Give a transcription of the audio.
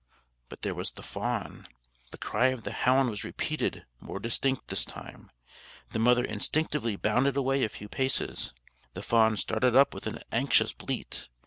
But there was the fawn. The cry of the hound was repeated, more distinct this time. The mother instinctively bounded away a few paces. The fawn started up with an anxious bleat.